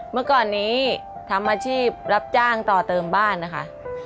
เมื่อก่อนนี้ทำอาชีพรับจ้างต่อเติมบ้านนะคะ